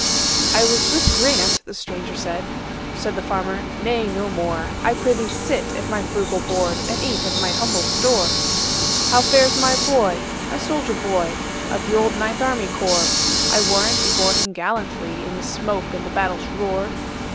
"I was with Grant"—the stranger said; Said the farmer, "Nay, no more,—I prithee sit at my frugal board, And eat of my humble store."How fares my boy,—my soldier boy, Of the old Ninth Army Corps?I warrant he bore him gallantlyIn the smoke and the battle's roar!"